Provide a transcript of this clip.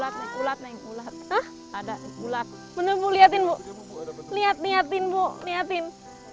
saya juga mengikuti bu nung